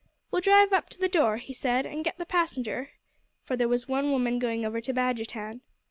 "We'll drive up to th' door," he said, "an' get th' passenger," for there was one woman going over to Badgertown.